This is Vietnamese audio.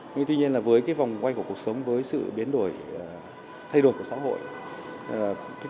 nhưng tuy nhiên với vòng quay của cuộc sống với sự biến đổi thay đổi của xã hội